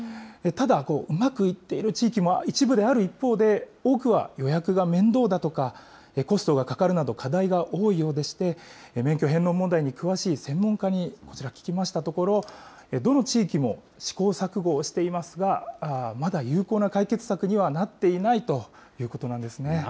ただ、うまくいっている地域も一部である一方で、多くは予約が面倒だとか、コストがかかるなど、課題が多いようでして、免許返納問題に詳しい専門家にこちら、聞きましたところ、どの地域も試行錯誤をしていますが、まだ有効な解決策にはなっていないということなんですね。